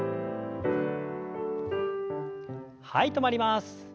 はい止まります。